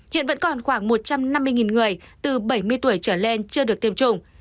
hiện vẫn còn khoảng một trăm năm mươi người từ bảy mươi tuổi trở lên chưa được tiêm chủng